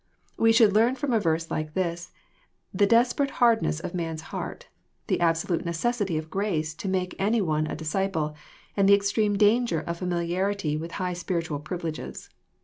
We should learn trom a verse like this the desperate hardness of man's heart, the absolute necessity of grace to make any one a disciple, and the extreme danger of familiarity with high spiritual privileges.